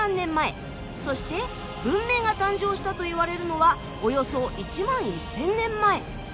そして文明が誕生したといわれるのはおよそ１万１，０００年前。